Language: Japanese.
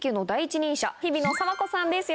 日比野佐和子さんです